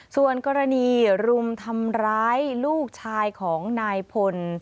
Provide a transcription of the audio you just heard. ส่วนกรณีรุมทำร้ายลูกชายของนายพล